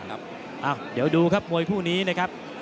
เดี๋ยวดูครับมวยคู่นี้นะครับ